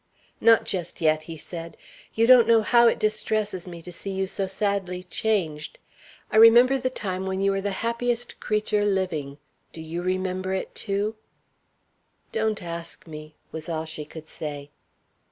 "Not just yet," he said. "You don't know how it distresses me to see you so sadly changed. I remember the time when you were the happiest creature living. Do you remember it, too?" "Don't ask me!" was all she could say.